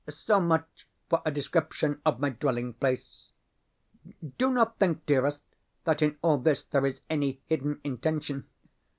So much for a description of my dwelling place. Do not think, dearest, that in all this there is any hidden intention.